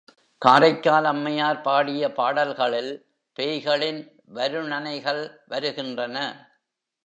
காரைக்கால் அம்மையார் பாடிய பாடல்களில் பேய்களின் வருணனைகள் வருகின்றன.